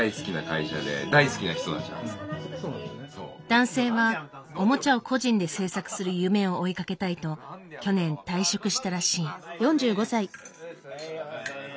男性はおもちゃを個人で制作する夢を追いかけたいと去年退職したらしい。